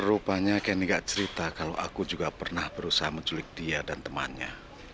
rupanya kenny enggak cerita kalau aku juga pernah berusaha menculik dia dan temannya